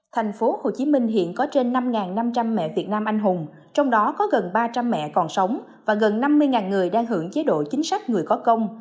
tp hcm hiện có trên năm năm trăm linh mẹ việt nam anh hùng trong đó có gần ba trăm linh mẹ còn sống và gần năm mươi người đang hưởng chế độ chính sách người có công